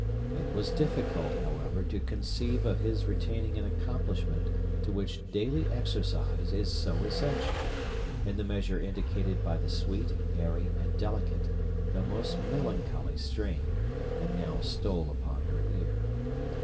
It was difficult, however, to conceive of his retaining an accomplishment to which daily exercise is so essential, in the measure indicated by the sweet, airy, and delicate, though most melancholy strain, that now stole upon her ear.